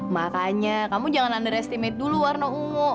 makanya kamu jangan underestimate dulu warna ungu